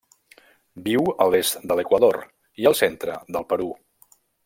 Viu a l'est de l'Equador i el centre del Perú.